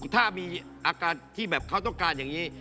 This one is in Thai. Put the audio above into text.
ถ้ามีอาการที่แบบเขาต้องการอย่างนี้